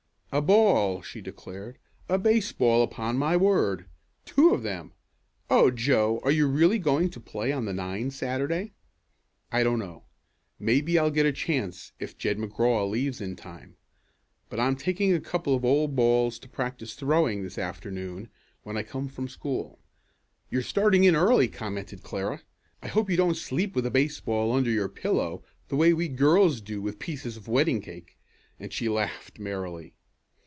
"A ball!" she declared. "A baseball upon my word! Two of them! Oh, Joe, are you really going to play on the nine Saturday?" "I don't know. Maybe I'll get a chance if Jed McGraw leaves in time. But I'm taking a couple of old balls to practice throwing this afternoon when I come from school." "You're starting in early," commented Clara. "I hope you don't sleep with a baseball under your pillow the way we girls do with pieces of wedding cake," and she laughed merrily.